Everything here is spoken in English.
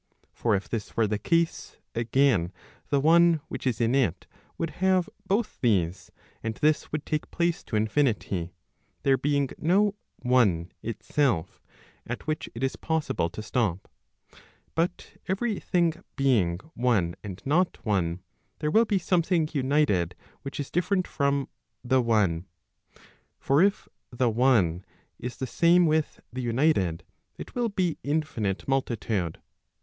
For if this were the case, again the one which is in it would have both these, and this would take place to infinity, there being no one itself at which it is possible to stop; but every thing being one and notone, there will be something united which is different from the one. For if the one is the same with the united, it will be infinite multitude.